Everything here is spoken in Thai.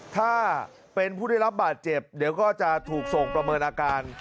ถ้าเป็นผู้ได้รับบาดเจ็บเดี๋ยวก็จะถูกส่งประเมินอาการ